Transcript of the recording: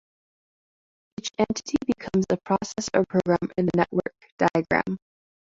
Each entity becomes a process or program in the network diagram.